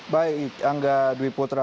baik angga dwi putra